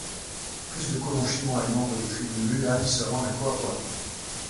Plus de colons chinois et membres des tribus Wuhuan se rendent à Cao Cao.